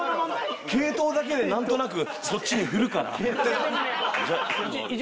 系統だけでなんとなくそっちに振るから。